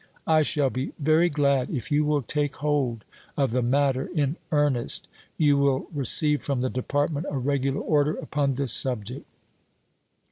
I shall be very glad if you will take hold of the matter in earnest. You will receive from the Department a regular order upon this subject."